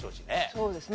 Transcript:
そうですね。